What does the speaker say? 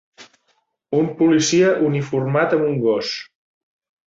Un policia uniformat amb un gos.